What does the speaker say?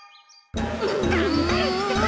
がんばれってか！